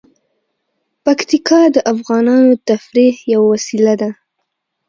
پکتیکا د افغانانو د تفریح یوه وسیله ده.